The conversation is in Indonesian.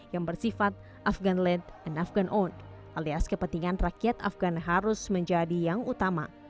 yang bersifat afghan led and afghan owned alias kepentingan rakyat afghan harus menjadi yang utama